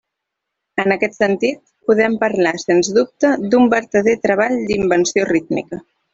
En aquest sentit, podem parlar sens dubte d'un vertader treball d'invenció rítmica.